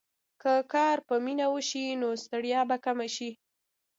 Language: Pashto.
که کار په مینه وشي، نو ستړیا به کمه شي.